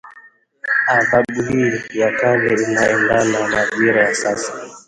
dhahabu hii ya kale inaendana majira ya sasa?